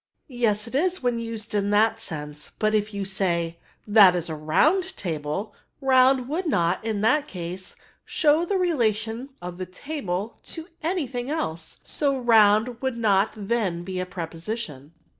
Yes it is, when used in that sense ; but if you said, * That is a round table/ round would not, in that ca^e, show the relation of the table to any thing else ; so round would not then be a preposition.